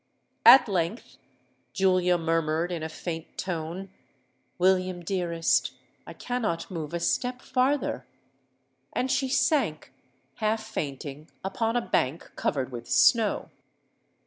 At length Julia murmured in a faint tone, 'William, dearest, I cannot move a step farther!' And she sank, half fainting, upon a bank covered with snow.